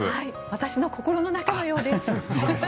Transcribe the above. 私の心の中のようです。